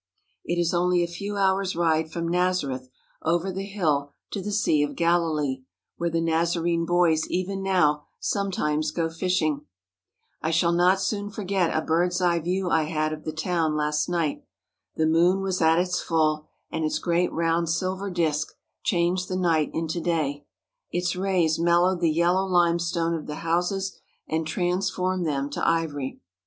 It is only a few hours' ride from Nazareth over the hill to the Sea of Galilee, where the Nazarene boys even now sometimes go fishing. I shall not soon forget a bird's eye view I had of the town last night. The moon was at its full, and its great round silver disk changed the night into day. Its rays mel lowed the yellow limestone of the houses and transformed them to ivory.